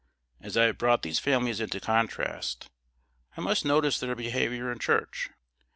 As I have brought these families into contrast, I must notice their behavior in church.